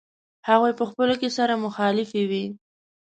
هغوی په خپلو کې سره مخالفې وې.